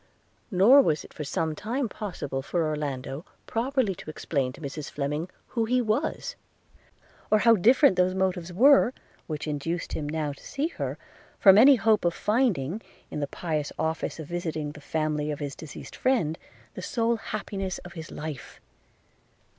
– Nor was it for some time possible for Orlando properly to explain to Mrs Fleming, who he was, or how different those motives were, which induced him now to see her, from any hope of finding, in the pious office of visiting the family of his deceased friend, the sole happiness of his life.